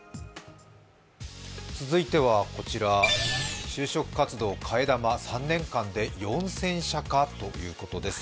続いては就職活動替え玉３年間で４０００社かということです。